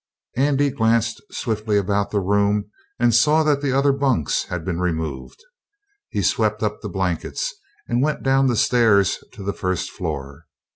Andy glanced swiftly about the room and saw that the other bunks had been removed. He swept up the blankets and went down the stairs to the first floor.